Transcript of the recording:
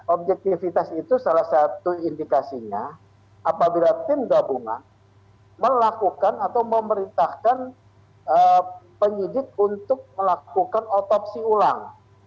objektifitas itu salah satu indikasinya apabila tim gabungan melakukan atau memerintahkan penyidik untuk melakukan otopsi ulang